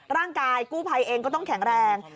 ร่างกายกู้ภัยเองก็ต้องแข็งแรง